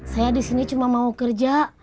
saya di sini cuma mau kerja